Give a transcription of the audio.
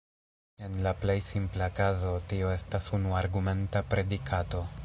En la plej simpla kazo, tio estas unu-argumenta predikato.